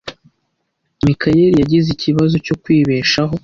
Mikayeli yagize ikibazo cyo kwibeshaho.